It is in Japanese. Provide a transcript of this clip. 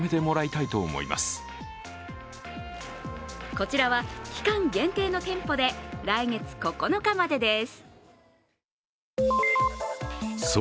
こちらは期間限定の店舗で来月９日までです。